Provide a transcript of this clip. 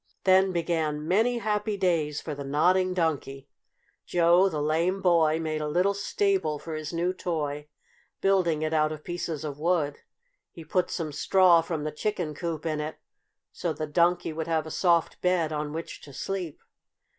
Then began many happy days for the Nodding Donkey. Joe, the lame boy, made a little stable for his new toy, building it out of pieces of wood. He put some straw from the chicken coop in it, so the Donkey would have a soft bed on which to sleep.